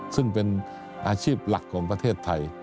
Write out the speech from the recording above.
ซึ่งเป็นอาชีพหลักของประเทศไทย